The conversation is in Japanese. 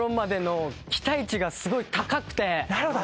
なるほど。